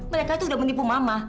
mereka tuh udah menipu mama